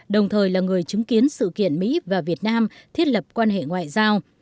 đồng thời là người chứng kiến sự kiện mỹ và việt nam thiết lập quan hệ ngoại giao